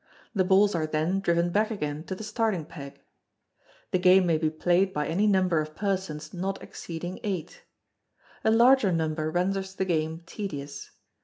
The balls are then driven back again to the starting peg. The game may be played by any number of persons not exceeding eight. A larger number renders the game tedious.